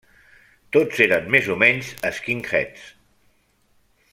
Tots eren més o menys skinheads.